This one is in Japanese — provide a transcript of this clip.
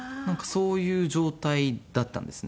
そういう状態だったんですね。